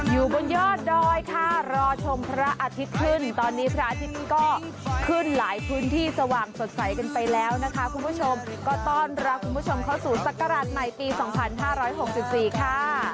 อยู่บนยอดดอยค่ะรอชมพระอาทิตย์ขึ้นตอนนี้พระอาทิตย์ก็ขึ้นหลายพื้นที่สว่างสดใสกันไปแล้วนะคะคุณผู้ชมก็ต้อนรับคุณผู้ชมเข้าสู่ศักราชใหม่ปี๒๕๖๔ค่ะ